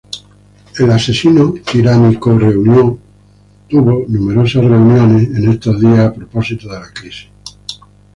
Numerosas reuniones sostuvo Pinochet en esos días, a propósito de la crisis.